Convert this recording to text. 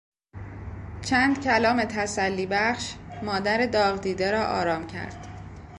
چند کلام تسلیبخش مادر داغدیده را آرام کرد.